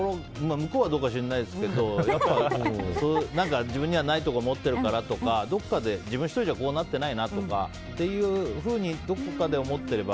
向こうはどうか知らないけど自分にはないものを持っているからとかどこかで自分１人ではこうなってないなとかそういうふうにどこかで思っていれば。